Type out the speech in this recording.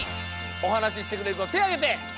おはなししてくれるこてあげて。